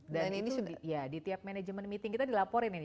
dan itu di tiap management meeting kita dilaporin ini